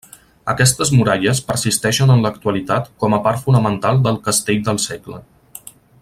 Aquestes muralles persisteixen en l'actualitat com a part fonamental del castell del segle.